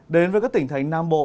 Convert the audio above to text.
đến với các tỉnh thành nam bộ